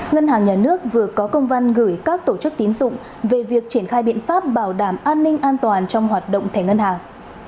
ngân hàng nhà nước vừa có công văn gửi các tổ chức tín dụng về việc triển khai biện pháp bảo đảm an ninh an toàn trong hoạt động thẻ ngân hàng